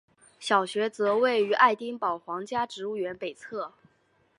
小学则位于爱丁堡皇家植物园北侧。